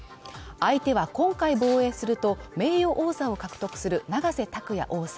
相手は今回防衛すると名誉王座を獲得する永瀬拓矢王座